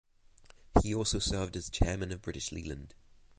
He also served as chairman of British Leyland.